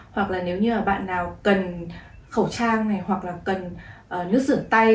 hoặc là nếu như bạn nào cần khẩu trang hoặc là cần nước sửa tay